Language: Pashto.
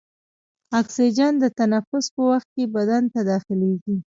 اکسیجن د تنفس په وخت کې بدن ته داخلیږي.